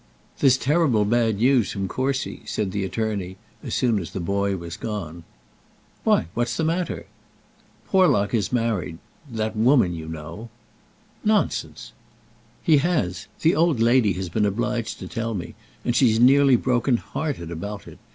"There's terrible bad news from Courcy," said the attorney, as soon as the boy was gone. "Why; what's the matter?" "Porlock has married that woman, you know." "Nonsense." "He has. The old lady has been obliged to tell me, and she's nearly broken hearted about it.